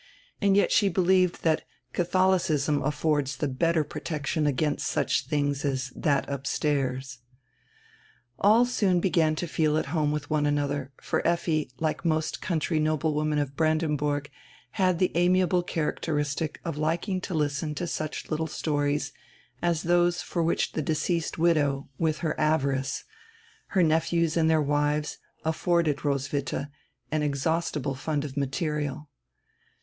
And yet she believed that Catholicism affords die better protection against such tilings as "that upstairs' All soon began to feel at home with one another, for Effi, like most country noblewomen of Brandenburg, had die amiable characteristic of liking to listen to such little stories as those for which the deceased widow, with her avarice, her nephews and their wives, afforded Roswitha an inex haustible fund of material.